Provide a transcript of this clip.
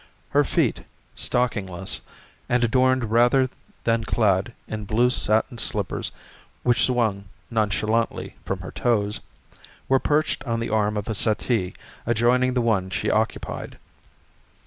Her feet, stockingless, and adorned rather than clad in blue satin slippers which swung nonchalantly from her toes, were perched on the arm of a settee adjoining the one she occupied.